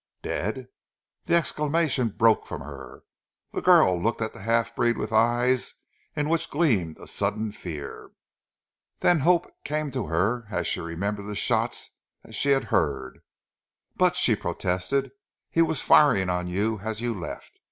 "Dead!" As the exclamation broke from her, the girl looked at the half breed with eyes in which gleamed a sudden fear. Then hope came to her as she remembered the shots that she had heard. "But," she protested, "he was firing on you as you left.